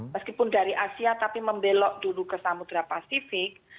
meskipun dari asia tapi membelok dulu ke samudera pasifik